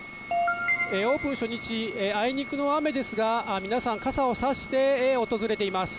オープン初日、あいにくの雨ですが、皆さん傘を差して訪れています。